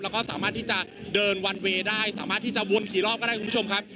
แล้วก็สามารถที่จะเดินวันเวย์ได้สามารถที่จะวนกี่รอบก็ได้คุณผู้ชมครับ